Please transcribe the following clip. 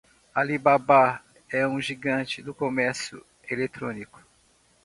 Alibaba é uma gigante do comércio eletrônico.